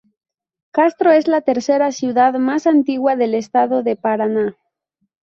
Castro es la tercera ciudad más antigua del estado de Paraná.